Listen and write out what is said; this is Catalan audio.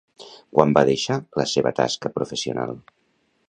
Quan va deixar la seva tasca professional?